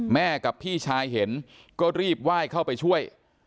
แม่กับพี่ชายเห็นก็รีบไหว้เข้าไปช่วย